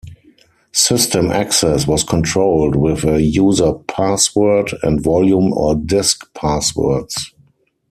System access was controlled with a user password and Volume or disk passwords.